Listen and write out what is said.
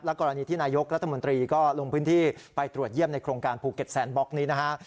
กรณีที่นายกรัฐมนตรีก็ลงพื้นที่ไปตรวจเยี่ยมในโครงการภูเก็ตแซนบล็อกนี้นะฮะ